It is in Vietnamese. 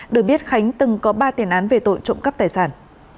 được biết khánh từng có ba tiền án về tội trộm cắp tài sản